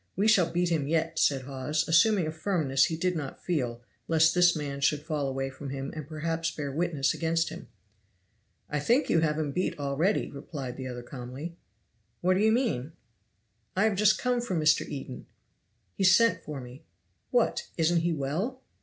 We shall beat him yet," said Hawes, assuming a firmness he did not feel lest this man should fall away from him and perhaps bear witness against him. "I think you have beat him already," replied the other calmly. "What do you mean?" "I have just come from Mr. Eden. He sent for me." "What, isn't he well?"